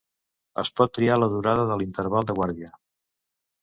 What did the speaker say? Es pot triar la durada de l'Interval de Guàrdia.